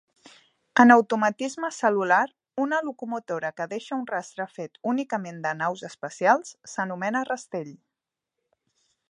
En automatisme cel·lular, una locomotora que deixa un rastre fet únicament de naus espacials s'anomena rastell.